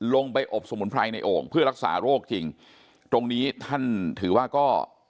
ลงไปอบสมุนไพรในโอ่งเพื่อรักษาโรคจริงตรงนี้ท่านถือว่าก็